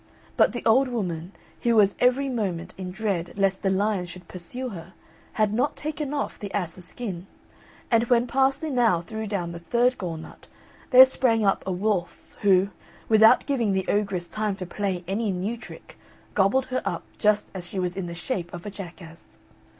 But the old woman, who was every moment in dread lest the lion should pursue her, had not taken off the ass's skin, and when Parsley now threw down the third gall nut there sprang up a wolf, who, without giving the ogress time to play any new trick, gobbled her up just as she was in the shape of a jackass.